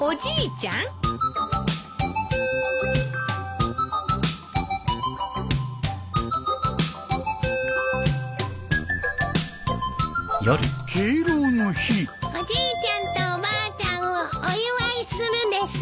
ちゃんとおばあちゃんをお祝いするです。